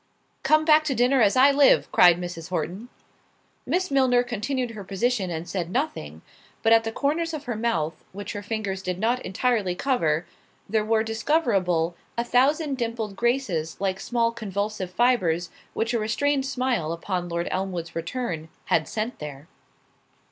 "Come back to dinner as I live," cried Mrs. Horton. Miss Milner continued her position and said nothing—but at the corners of her mouth, which her fingers did not entirely cover, there were discoverable, a thousand dimpled graces like small convulsive fibres, which a restrained smile upon Lord Elmwood's return, had sent there.